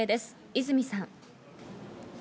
泉さん。